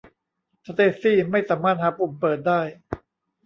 สเตซี่ย์ไม่สามารถหาปุ่มเปิดได้